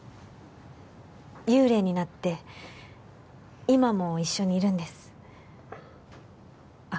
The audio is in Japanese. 幽霊になって今も一緒にいるんですあっ